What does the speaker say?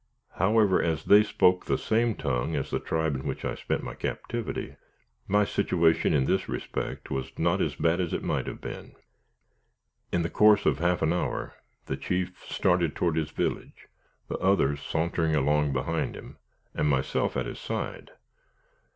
However, as they spoke the same tongue as the tribe in which I spent my captivity, my situation in this respect was not as bad as it might have been. In the course of half an hour, the chief started toward his village, the others sauntering along behind him, and myself at his side.